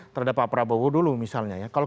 terhadap pak prabowo dulu misalnya ya